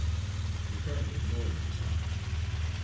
The colonel ignored the taunt.